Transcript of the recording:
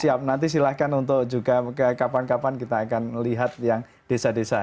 siap siap nanti silahkan untuk juga kapan kapan kita akan melihat yang desa desa